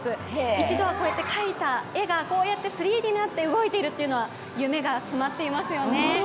一度はこうやって描いた絵が３Ｄになって動いているというのは夢が詰まっていますよね。